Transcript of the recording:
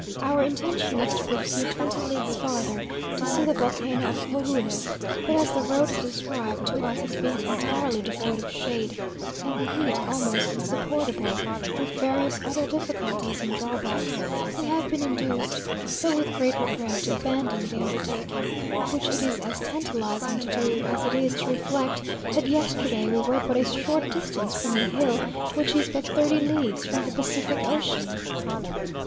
Our intention was to proceed twenty leagues farther, to see the volcano of Jorullo; but as the road is described to us as being entirely devoid of shade, and the heat almost insupportable with various other difficulties and drawbacks we have been induced, though with great regret, to abandon the undertaking, which it is as tantalizing to do, as it is to reflect that yesterday we were but a short distance from a hill which is but thirty leagues from the Pacific Ocean.